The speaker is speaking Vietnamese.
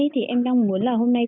cho em hỏi tí